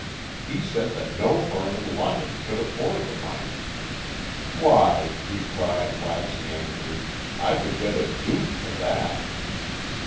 He said that no firm in London could afford the money. 'Why,' he cried, waxing angry, 'I could get a Duke for that.'"